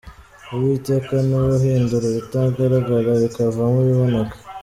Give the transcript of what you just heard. Uwiteka ni we uhindura ibitagaragara bikavamo ibiboneka.